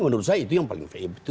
menurut saya itu yang paling